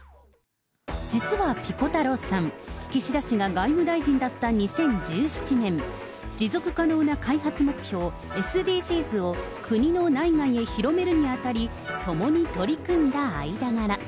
実はピコ太郎さん、岸田氏が外務大臣だった２０１７年、持続可能な開発目標、ＳＤＧｓを国の内外へ広めるにあたり、共に取り組んだ間柄。